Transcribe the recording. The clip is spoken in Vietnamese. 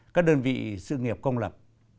các đơn vị sự nghiệp công lập